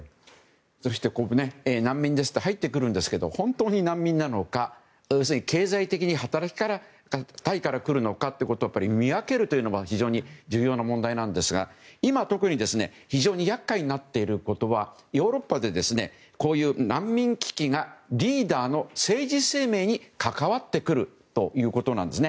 そして難民ですと入ってくるんですけど本当に難民なのか経済的に働きたいから来るのかというのを見分けることが、やっぱり非常に重要な問題なんですが今、特に非常に厄介になっていることはヨーロッパでこういう難民危機がリーダーの政治生命に関わってくるということなんですね。